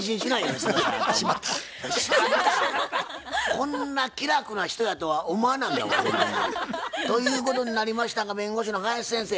こんな気楽な人やとは思わなんだわほんまに。ということになりましたが弁護士の林先生